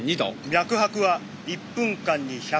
脈拍は１分間に１０７。